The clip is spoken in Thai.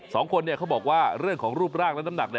เขาบอกว่าเรื่องของรูปร่างและน้ำหนัก